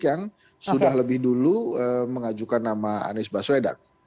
yang sudah lebih dulu mengajukan nama anies baswedan